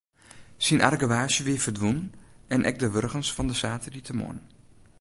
Syn argewaasje wie ferdwûn en ek de wurgens fan de saterdeitemoarn.